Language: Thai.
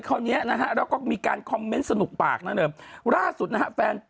เราก็มีการคอมเม้นสนุกปากนะครับ